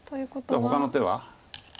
ほかの手は？